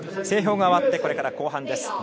整氷が終わってこれから後半です。